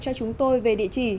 cho chúng tôi về địa chỉ